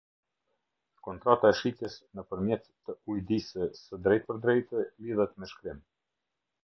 Kontrata e shitjes nëpërmjet të ujdisë së drejtpërdrejtë lidhet me shkrim.